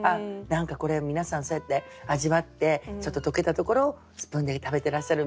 何かこれ皆さんそうやって味わってちょっと溶けたところをスプーンで食べてらっしゃる